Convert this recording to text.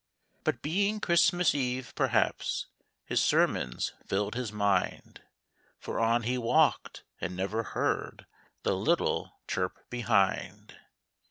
But being Christmas eve, perhaps His sermons filled his mind, For on he walked, and never heard The little chirp behind.